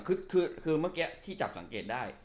คือเมื่อกี้ที่จับสังเกตได้